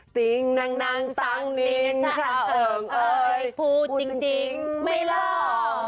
ติ๊งนังนังตั้งนิงชะเอิงเอ๋ยพูดจริงไม่หลอก